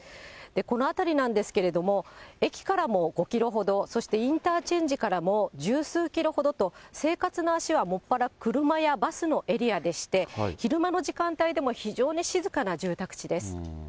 この辺りなんですけれども、駅からも５キロほど、そしてインターチェンジからも十数キロほどと、生活の足はもっぱら車やバスのエリアでして、昼間の時間帯でも非常に静かな住宅地です。